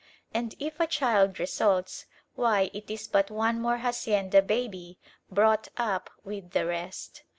And if a child results, why, it is but one more hacienda baby, brought up with the rest.